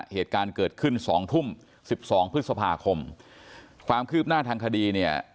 เหตุการณ์เกิดขึ้นสองทุ่มสิบสองพฤษภาคมความคืบหน้าทางคดีเนี่ย